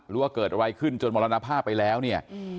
ว่าเกิดอะไรขึ้นจนมรณภาพไปแล้วเนี่ย